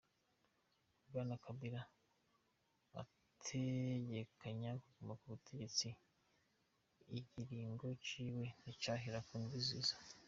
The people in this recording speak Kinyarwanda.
Bwana Kabila ategekanya kuguma ku butegetsi igiringo ciwe nicahera mu ndwi iza.